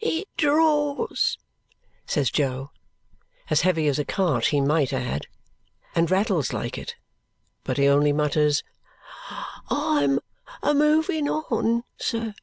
"It draws," says Jo, "as heavy as a cart." He might add, "And rattles like it," but he only mutters, "I'm a moving on, sir."